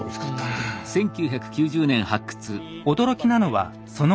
驚きなのはその大きさ。